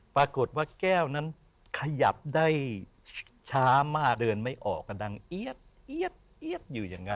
ปรากฏว่าแก้วนั้นขยับได้ช้ามากเดินไม่ออกกำลังเอี๊ยดอยู่อย่างนั้น